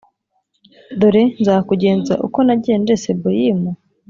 Dore Nzakugenza uko nagenje Seboyimu?